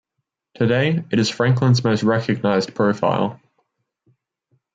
Today, it is Franklin's most recognized profile.